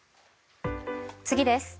次です。